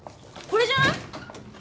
これじゃない？